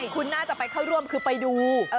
คุณน่าจะไปเข้าร่วมคือไปดู